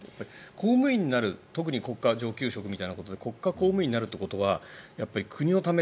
公務員になる特に国家上級職とか国家公務員になるということは国のため。